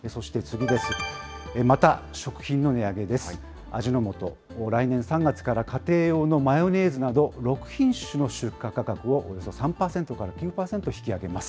味の素、来年３月から家庭用のマヨネーズなど、６品種の出荷価格を、およそ３％から９％引き上げます。